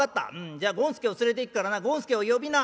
じゃ権助を連れていくからな権助を呼びな」。